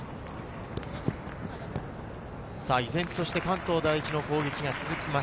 依然として関東第一の攻撃が続きます。